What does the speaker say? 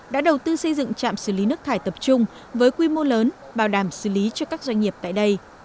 đã đầu tư xây dựng trạm xử lý nước thải tập trung với quy mô lớn bảo đảm xử lý cho các doanh nghiệp tại đây